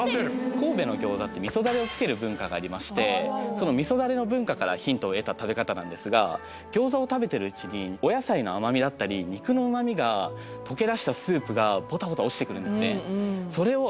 神戸の餃子って味噌ダレをつける文化がありましてその味噌ダレの文化からヒントを得た食べ方なんですが餃子を食べてるうちにお野菜の甘みだったり肉の旨みが溶けだしたスープがポタポタ落ちてくるんですね